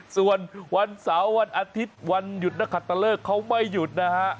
ส่วนวันเสาร์วันอาทิตย์วันหยุดนักขัดตะเลิกเขาไม่หยุดนะฮะ